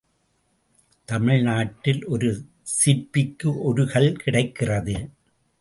தமிழ் நாட்டில் ஒரு சிற்பிக்கு ஒரு கல் கிடைக்கிறது.